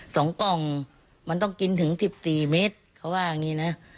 สองกล่องมันต้องกินถึง๑๔เม็ดเขาว่าอย่างนี้นะ